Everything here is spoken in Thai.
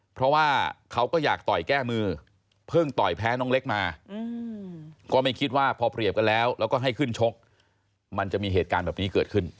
เพราะว่าเขาก็อยากต่อยแก้มือเพิ่งต่อยแพ้น้องเล็กมาก็ไม่คิดว่าพอเปรียบกันแล้วแล้วก็ให้ขึ้นชกมันจะมีเหตุการณ์แบบนี้เกิดขึ้น